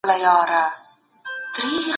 غړو به د ځوانانو د پرمختګ لاري پرانيستې وي.